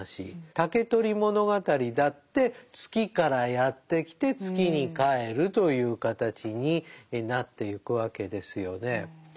「竹取物語」だって月からやって来て月に帰るという形になってゆくわけですよね。